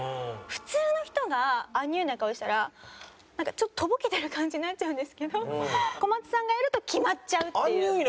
普通の人がアンニュイな顔したらちょっととぼけてる感じになっちゃうんですけど小松さんがやるときまっちゃうっていう。